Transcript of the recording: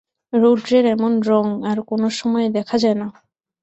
রৌদ্রের এমন রঙ আর কোনো সময়ে দেখা যায় না।